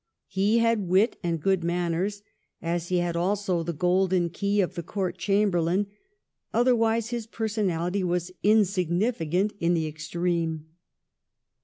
He had wit and good manners, as he had also the golden key of the Court Chamberlain ; otherwise, his personality was insignificant in the extreme.